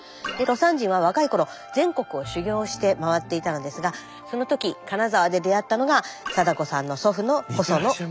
魯山人は若い頃全国を修業して回っていたのですがその時金沢で出会ったのが定子さんの祖父の細野燕台。